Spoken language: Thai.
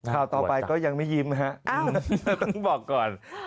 ข่าวต่อไปก็ยังไม่ยิ้มฮะต้องบอกก่อน